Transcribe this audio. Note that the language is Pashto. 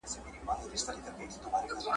په سينو کې توپانونه !.